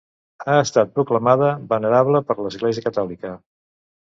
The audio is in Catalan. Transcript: Ha estat proclamada venerable per l'Església catòlica.